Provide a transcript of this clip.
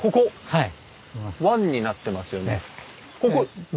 はい。